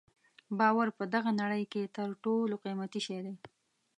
باور په دغه نړۍ کې تر ټولو قیمتي شی دی.